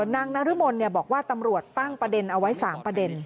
นางนรมนบอกว่าตำรวจตั้งประเด็นเอาไว้๓ประเด็น